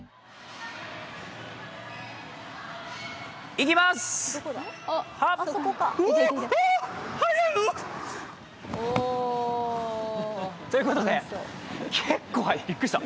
いきます！ということで、結構速い、ビックリした。